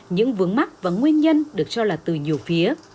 những vướng mắt và nguyên nhân được cho là từ nhiều phía